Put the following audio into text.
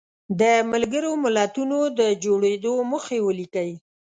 د ملګرو ملتونو د جوړېدو موخې ولیکئ.